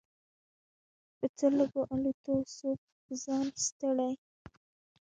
په څه لږو الوتو سو په ځان ستړی